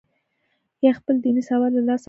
یا خپل دیني سواد له لاسه ورکړي.